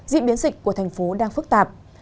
diễn biến dịch của thành phố đang phức tạp